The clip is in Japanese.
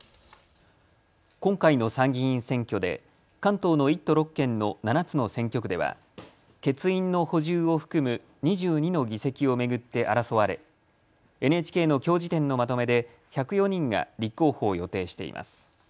今回の参議院選挙で関東の１都６県の７つの選挙区では欠員の補充を含む２２の議席を巡って争われＮＨＫのきょう時点のまとめで１０４人が立候補を予定しています。